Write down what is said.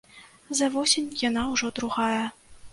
За восень яна ўжо другая.